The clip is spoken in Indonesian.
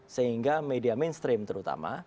sehingga media mainstream terutama